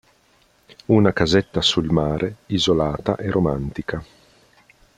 Una casetta sul mare, isolata e romantica.